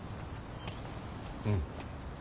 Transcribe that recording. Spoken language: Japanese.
うん。